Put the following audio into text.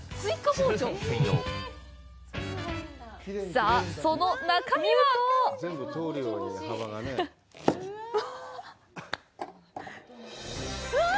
さあ、その中身は？うわ！